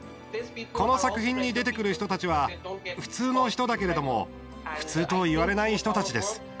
この作品に出てくる人たちは普通の人だけれども普通と言われない人たちです。